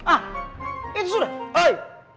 ah itu sudah oi